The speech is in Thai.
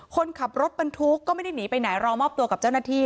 คนขับรถบรรทุกก็ไม่ได้หนีไปไหนรอมอบตัวกับเจ้าหน้าที่